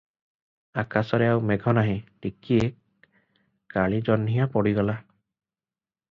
ଆକାଶରେ ଆଉ ମେଘ ନାହିଁ, ଟିକିଏ କାଳିଜହ୍ନିଆ ପଡିଗଲା ।